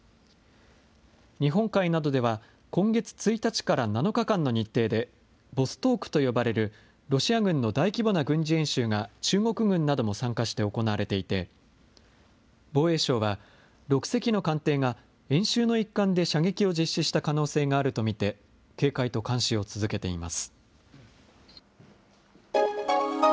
日本海などでは、今月１日から７日間の日程で、ボストークと呼ばれるロシア軍の大規模な軍事演習が中国軍なども参加して行われていて、防衛省は６隻の艦艇が演習の一環で射撃を実施した可能性があると見て、警戒と監視を続けています。